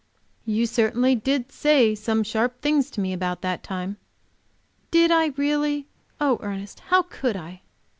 "You certainly did say some sharp things to me about that time." "Did I, really? Oh, Ernest, how could I?"